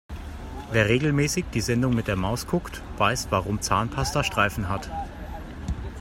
Wer regelmäßig die Sendung mit der Maus guckt, weiß warum Zahnpasta Streifen hat.